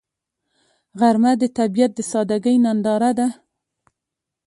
غرمه د طبیعت د سادګۍ ننداره ده